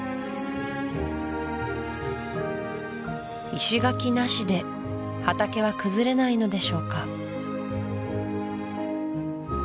石垣なしで畑は崩れないのでしょうか